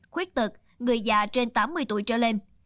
khuyết tật người già trên tám mươi tuổi trở lên